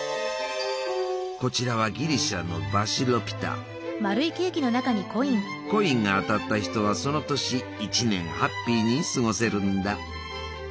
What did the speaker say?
こちらはギリシャのコインが当たった人はその年一年ハッピーに過ごせるんだ。